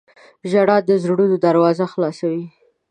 • ژړا د زړونو دروازه خلاصوي.